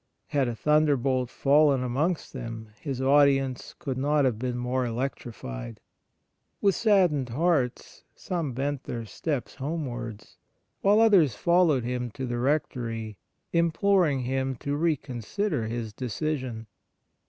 Had a thunderbolt fallen amongst them, his audience could not have been more electrified. With saddened hearts, some bent their steps homewards, while others followed him to the Rectory, imploring him to reconsider his decision.